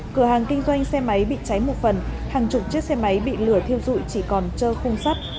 cửa hàng kinh doanh xe máy bị cháy một phần hàng chục chiếc xe máy bị lửa thiêu dụi chỉ còn trơ khung sắt